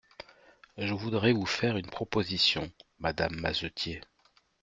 Je voudrais vous faire une proposition, madame Mazetier.